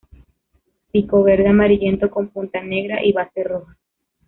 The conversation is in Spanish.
Pico verde amarillento con punta negra y base roja.